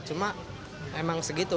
cuma memang segitu